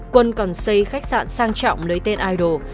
quân còn xây khách sạn sang trọng lấy tên ido